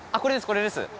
これです